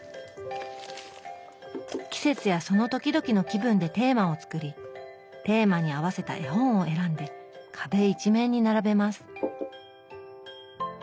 季節やその時々の気分でテーマを作りテーマに合わせた絵本を選んで壁一面に並べます